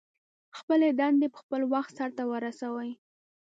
خپلې دندې په خپل وخت سرته ورسوئ.